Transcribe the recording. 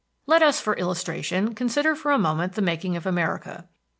Let us, for illustration, consider for a moment the making of America.